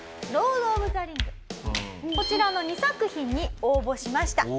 こちらの２作品に応募しました。